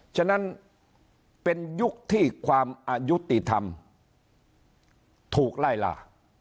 ฉะนั้นเป็นยุคที่ความอายุติธรรมถูกไล่ล่า